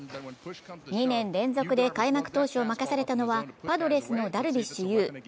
２年連続で開幕投手を任されたのはパドレスのダルビッシュ有。